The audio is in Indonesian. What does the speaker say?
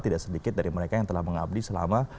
tidak sedikit dari mereka yang telah mengabdi selama